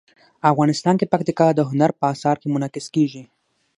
افغانستان کې پکتیکا د هنر په اثار کې منعکس کېږي.